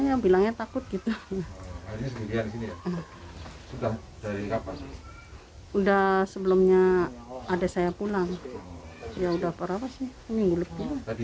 sujono menjelaskan bahwa sujaranya terpapar covid sembilan belas